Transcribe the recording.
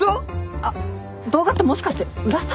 あっ動画ってもしかして宇良さん？